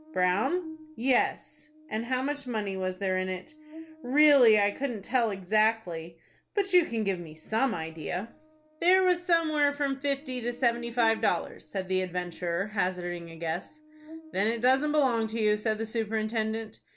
"Brown?" "Yes." "And how much money was there in it?" "Really, I couldn't tell exactly." "But you can give me some idea?" "There was somewhere from fifty to seventy five dollars," said the adventurer, hazarding a guess. "Then it doesn't belong to you," said the superintendent.